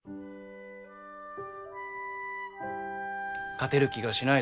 勝てる気がしない？